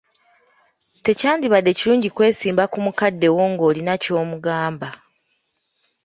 Tekyandibadde kirungi kwesimba ku mukadde wo ng'olina ky'omugamba.